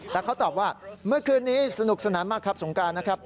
แต่เขาตอบว่าเมื่อคืนนี้สนุกสนานมากครับสงการนะครับ